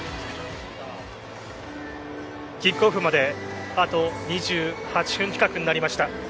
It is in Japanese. キックオフまであと２８分近くになりました。